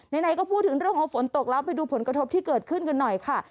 ไหนก็พูดถึงเรื่องของฝนตกแล้วไปดูผลกระทบที่เกิดขึ้นกันหน่อยค่ะ